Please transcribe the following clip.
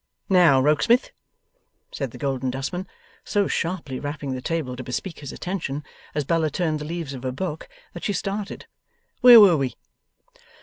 'Now, Rokesmith,' said the Golden Dustman, so sharply rapping the table to bespeak his attention as Bella turned the leaves of her book, that she started; 'where were we?